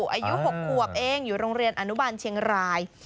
อายุ๖ขวบเองอยู่โรงเรียนอนุบาลเชียงราย